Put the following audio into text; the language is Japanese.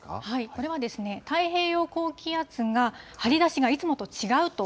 これはですね、太平洋高気圧が張り出しがいつもと違うと。